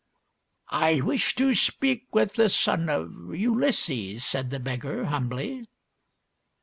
" I wish to speak with the son of Ulysses," said the beggar, humbly.